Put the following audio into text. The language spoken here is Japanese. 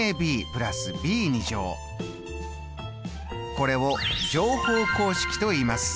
これを乗法公式といいます。